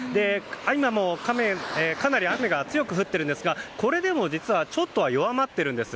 今もかなり雨が強く降っているんですがこれでも実はちょっとは弱まっているんです。